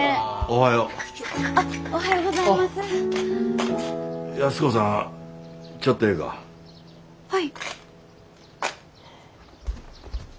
はい。